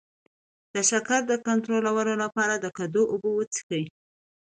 د شکر کنټرول لپاره د کدو اوبه وڅښئ